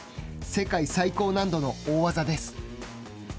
世界最高難度の大技です。